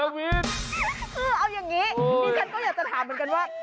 คือเอาอย่างนี้ดิฉันก็อยากจะถามเหมือนกันว่า